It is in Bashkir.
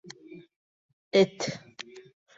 Эт!..